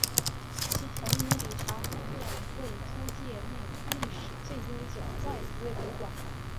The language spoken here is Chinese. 其曾与礼查饭店同为租界内历史最悠久的外资旅馆。